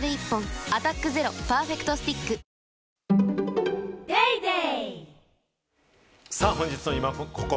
「アタックＺＥＲＯパーフェクトスティック」本日のイマココ。